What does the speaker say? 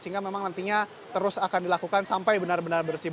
sehingga memang nantinya terus akan dilakukan sampai benar benar bersih